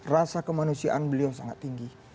rasa kemanusiaan beliau sangat tinggi